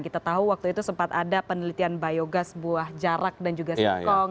kita tahu waktu itu sempat ada penelitian biogas buah jarak dan juga singkong